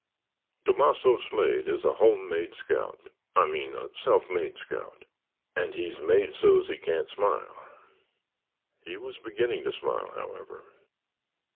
Tomasso Slade is a home made scout—I mean a self made scout—and he's made so as he can't smile." (He was beginning to smile however.)